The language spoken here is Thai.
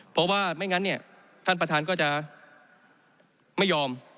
เพราะว่าไม่งั้นเนี่ยท่านประธานก็จะไม่ยอม